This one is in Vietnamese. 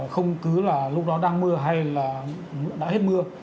không cứ là lúc đó đang mưa hay là đã hết mưa